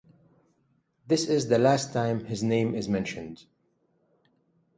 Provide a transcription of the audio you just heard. This is the last time his name is mentioned.